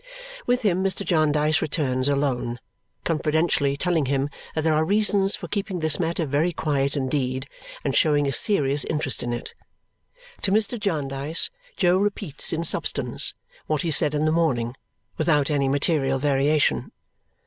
With him Mr. Jarndyce returns alone, confidentially telling him that there are reasons for keeping this matter very quiet indeed and showing a serious interest in it. To Mr. Jarndyce, Jo repeats in substance what he said in the morning, without any material variation.